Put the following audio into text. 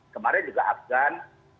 kemarin juga afgan